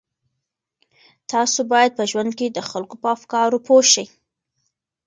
تاسو باید په ژوند کې د خلکو په افکارو پوه شئ.